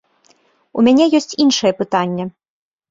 У мяне ёсць іншае пытанне.